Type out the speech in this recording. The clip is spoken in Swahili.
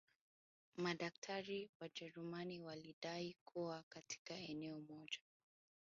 Madaktari Wajerumani walidai kuwa katika eneo moja